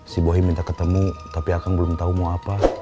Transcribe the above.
si bohi minta ketemu tapi akan belum tahu mau apa